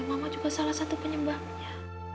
mama juga salah satu penyebabnya